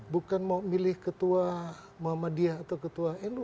bukan mau milih ketua muhammadiyah atau ketua nu